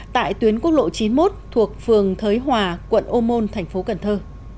tại tuyến quốc lộ chín mươi một thuộc phường thới hòa quận ô môn tp cần thơ